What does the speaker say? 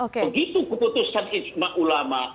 begitu keputusan istimewa ulama